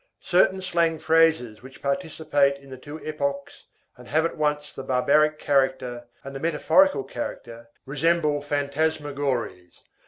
Certain slang phrases which participate in the two epochs and have at once the barbaric character and the metaphorical character resemble phantasmagories.